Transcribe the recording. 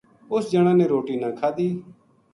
اُس جنا نے روٹی نہ کھادی